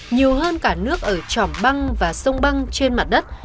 nhiều hơn cả nước ở trỏm băng và sông băng trên mặt đất